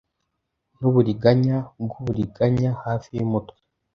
Nuburiganya bwuburiganya hafi yumutwe